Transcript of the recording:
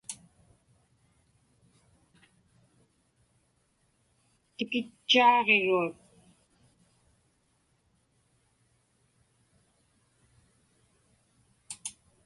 Tikitchaaġiruak.